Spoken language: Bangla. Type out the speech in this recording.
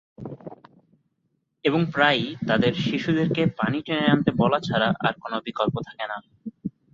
এবং প্রায়ই তাদের শিশুদেরকে পানি টেনে আনতে বলা ছাড়া আর কোন বিকল্প থাকে না।